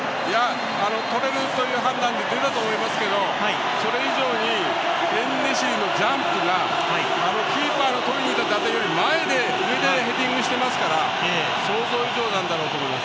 取れるという判断でやっていたと思いますけどそれ以上にエンネシリのジャンプキーパーの取りにいった打点より前でヘディングしていますから想像以上なんだと思います。